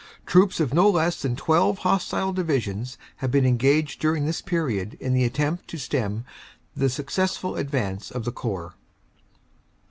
Troops of no less than 12 hostile Divisions have been engaged during this period in the attempt to stem the suc cessful advance of the Corps."